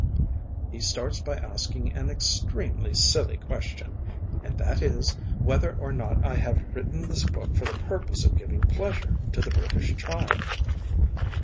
He starts by asking an extremely silly question, and that is, whether or not I have written this book for the purpose of giving pleasure to the British child.